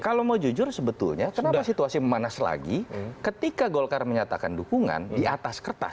kalau mau jujur sebetulnya kenapa situasi memanas lagi ketika golkar menyatakan dukungan di atas kertas